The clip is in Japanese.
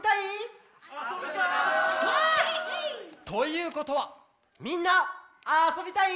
あそびたい！ということはみんなあそびたい？